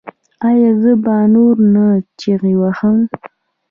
ایا زه به نور نه چیغې وهم؟